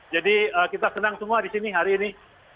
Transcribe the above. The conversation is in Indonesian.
jadi kita senang semua di sini hari ini